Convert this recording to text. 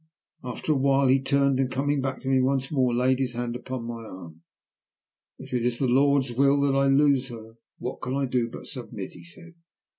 After a while he turned, and coming back to me once more laid his hand upon my arm. "If it is the Lord's will that I lose her, what can I do but submit?" he said.